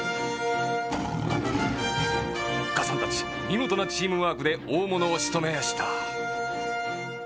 おっかさんたちみごとなチームワークでおおものをしとめやした。